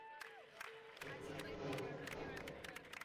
韩叙毕业于燕京大学。